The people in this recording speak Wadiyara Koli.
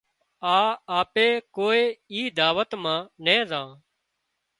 آ اپي ڪوئي اي دعوت مان نين زان